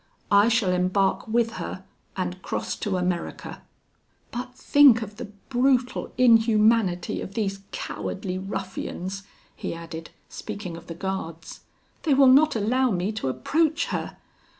I shall embark with her and cross to America. "But think of the brutal inhumanity of these cowardly ruffians," he added, speaking of the guards; "they will not allow me to approach her!